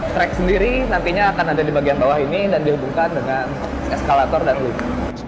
track sendiri nantinya akan ada di bagian bawah ini dan dihubungkan dengan eskalator dan lift